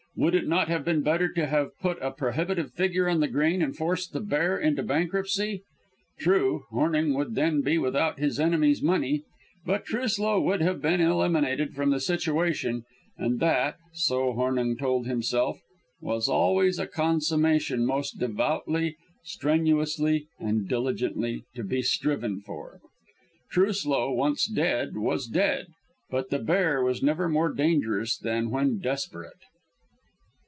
Would it not have been better to have put a prohibitive figure on the grain and forced the Bear into bankruptcy? True, Hornung would then be without his enemy's money, but Truslow would have been eliminated from the situation, and that so Hornung told himself was always a consummation most devoutly, strenuously and diligently to be striven for. Truslow once dead was dead, but the Bear was never more dangerous than when desperate.